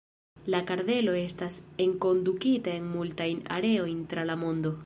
La kardelo estas enkondukita en multajn areojn tra la mondo.